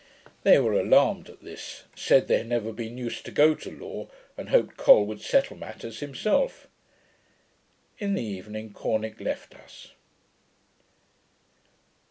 They were alarmed at this; said, they had never been used to go to law, and hoped Col would settle matters himself. In the evening Corneck left us.